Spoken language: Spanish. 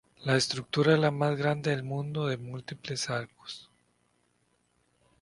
La estructura es la más grande del mundo de múltiples arcos.